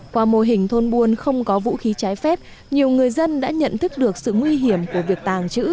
qua mô hình thôn buôn không có vũ khí trái phép nhiều người dân đã nhận thức được sự nguy hiểm của việc tàng trữ